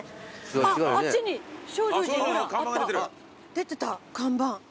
出てた看板。